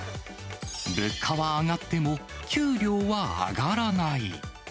物価は上がっても、給料は上がらない。